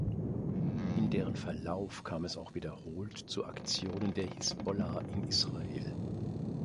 In deren Verlauf kam es auch wiederholt zu Aktionen der Hisbollah in Israel.